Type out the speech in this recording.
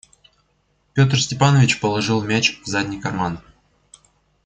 Петр Степанович положил мяч в задний карман.